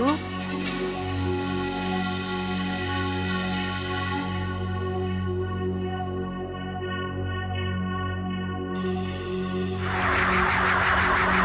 tuhan kita bisa terus bekerja